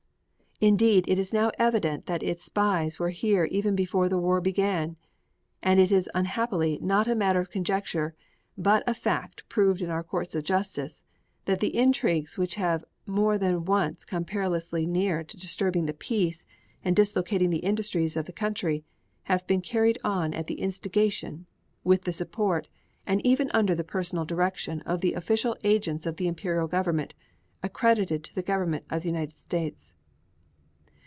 Indeed it is now evident that its spies were here even before the war began; and it is unhappily not a matter of conjecture but a fact proved in our courts of justice that the intrigues which have more than once come perilously near to disturbing the peace and dislocating the industries of the country have been carried on at the instigation, with the support, and even under the personal direction of official agents of the Imperial Government accredited to the Government of the United States.